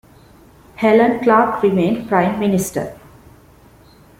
Helen Clark remained Prime Minister.